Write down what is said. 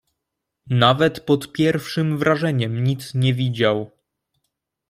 "Nawet pod pierwszem wrażeniem nic nie widział."